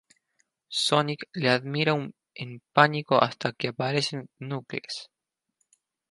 Sonic le admira en pánico hasta que aparece Knuckles.